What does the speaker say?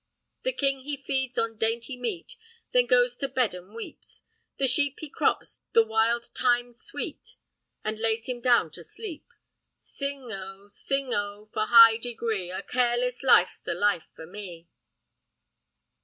"The king he feeds on dainty meat, Then goes to bed and weeps, The sheep he crops the wild thyme sweet, And lays him down and sleeps. Sing oh! sing oh! for high degree, A careless life's the life for me."